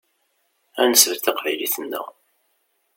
Ad nesbedd taqbaylit-nneɣ.